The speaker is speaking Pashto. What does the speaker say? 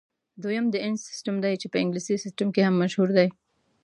دویم د انچ سیسټم دی چې په انګلیسي سیسټم هم مشهور دی.